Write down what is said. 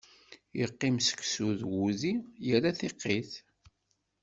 Iqqim seksu d wudi, irra tiqit.